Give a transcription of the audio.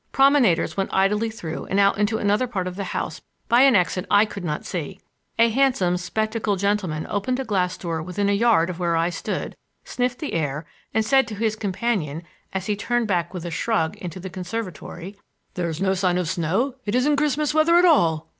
Promenaders went idly through and out into another part of the house by an exit I could not see. A handsome, spectacled gentleman opened a glass door within a yard of where I stood, sniffed the air, and said to his companion, as he turned back with a shrug into the conservatory: "There's no sign of snow. It isn't Christmas weather at all."